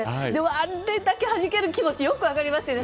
あれだけはじける気持ちよく分かりますね。